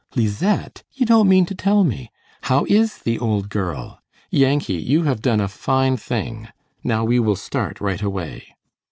"Lisette! You don't mean to tell me? How is the old girl? Yankee, you have done a fine thing. Now we will start right away."